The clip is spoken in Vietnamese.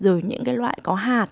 rồi những loại có hạt